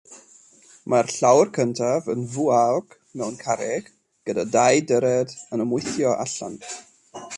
Mae'r llawr cyntaf yn fwaog mewn carreg, gyda dau dyred yn ymwthio allan.